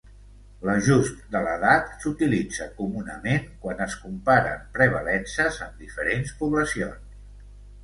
L'ajust de l'edat s'utilitza comunament quan es comparen prevalences en diferents poblacions.